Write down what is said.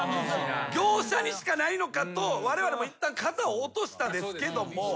業者にしかないのかとわれわれもいったん肩を落としたんですけども。